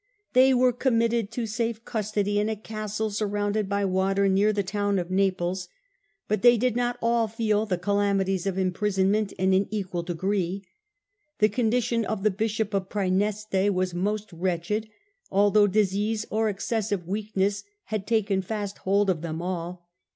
" They were committed to safe custody in a castle surrounded by water near the town of Naples. But they did not all feel the calamities of imprisonment in an equal degree ; the condition of the Bishop of Praeneste was most wretched, although disease or excessive weakness had taken fast hold on them all.